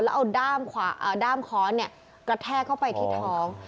แล้วเอาด้ามค้อนกระแทกเข้าไปที่ท้อง